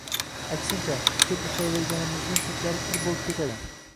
Aksincha, ko‘p ushlayverganimizdan chetlari kir bo‘lib ketadi.